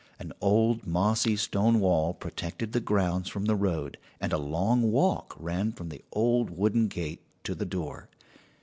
An old, mossy stone wall protected the grounds from the road, and a long walk ran from the old wooden gate to the door.